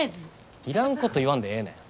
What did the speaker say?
いらんこと言わんでええねん。